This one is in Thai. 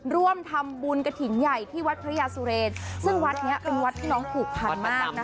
ร่วมทำบุญกระถิ่นใหญ่ที่วัดพระยาสุเรนซึ่งวัดนี้เป็นวัดที่น้องผูกพันมากนะคะ